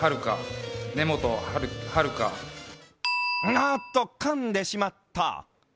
おっと、かんでしまった。